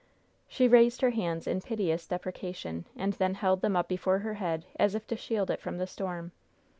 She raised her hands in piteous deprecation, and then held them up before her head as if to shield it from the storm.